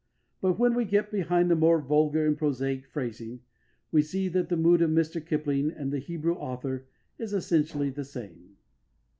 But, when we get behind the more vulgar and prosaic phrasing, we see that the mood of Mr Kipling and the Hebrew author is essentially the same.